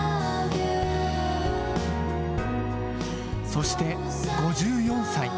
そして５４歳。